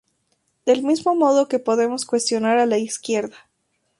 del mismo modo que podemos cuestionar a la izquierda